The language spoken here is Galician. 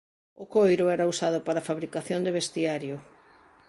O coiro era usado para fabricación de vestiario.